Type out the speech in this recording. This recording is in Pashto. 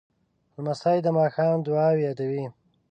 لمسی د ماښام دعاوې یادوي.